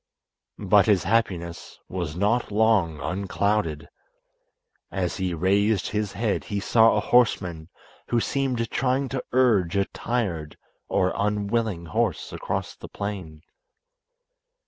But his happiness was not long unclouded. As he raised his head he saw a horseman who seemed trying to urge a tired or unwilling horse across the plain.